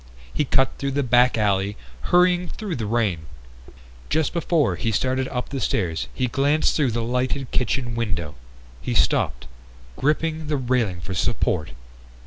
He cut through the back alley, hurrying through the rain. Just before he started up the stairs he glanced through the lighted kitchen window. He stopped, gripping the railing for support.